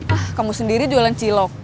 ah kamu sendiri jualan cilok